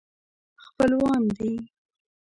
خپلوان دي.